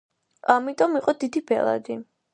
ამიტომ იყო დიდი ბელადი.